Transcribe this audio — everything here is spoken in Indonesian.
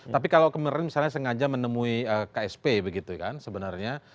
tapi kalau kemarin misalnya sengaja menemui ksp begitu kan sebenarnya